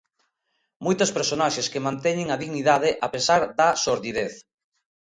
Moitas personaxes que manteñen a dignidade a pesar da sordidez.